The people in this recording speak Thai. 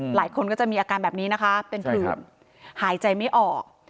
หลายคนก็จะมีอาการแบบนี้นะคะเป็นผื่นหายใจไม่ออก